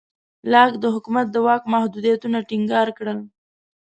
لاک د حکومت د واک محدودیتونه ټینګار کړل.